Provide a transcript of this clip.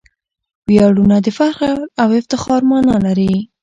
ویاړنه د فخر او افتخار مانا لري.